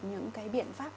những cái biện pháp